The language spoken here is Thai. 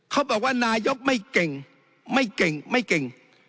เขาบอกว่านายกไม่เก่งไม่เก่งไม่เก่ง